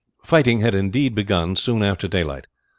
Fighting had indeed begun soon after daylight.